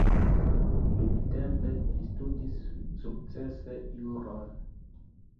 Dumtempe li studis sukcese juron.